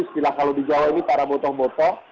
setidaknya kalau di jawa ini para botoh botoh